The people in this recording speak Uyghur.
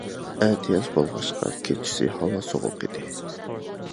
ئەتىياز بولغاچقا، كېچىسى ھاۋا سوغۇق ئىدى.